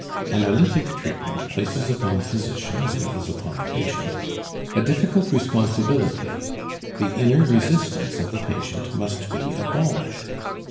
Analytic treatment places upon the physician, as well as upon the patient, a difficult responsibility; the inner resistance of the patient must be abolished.